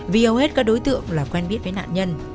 vì hầu hết các đối tượng là quen biết với nạn nhân